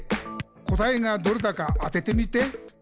「こたえがどれだかあててみて」